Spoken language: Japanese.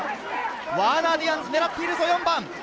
ワーナー・ディアンズ、狙っているぞ。